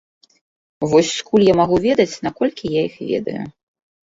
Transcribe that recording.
Вось скуль я магу ведаць, наколькі я іх ведаю.